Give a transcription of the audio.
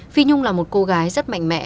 phi nhung là một cô gái rất mạnh mẽ